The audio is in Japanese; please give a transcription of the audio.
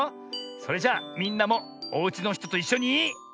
それじゃみんなもおうちのひとといっしょに。